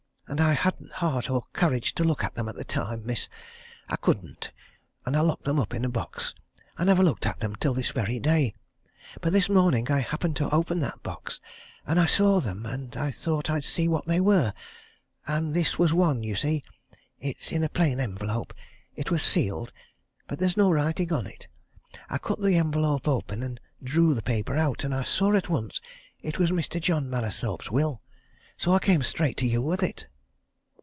And I hadn't heart or courage to look at them at that time, miss! I couldn't, and I locked them up in a box. I never looked at them until this very day but this morning I happened to open that box, and I saw them, and I thought I'd see what they were. And this was one you see, it's in a plain envelope it was sealed, but there's no writing on it. I cut the envelope open, and drew the paper out, and I saw at once it was Mr. John Mallathorpe's will so I came straight to you with it."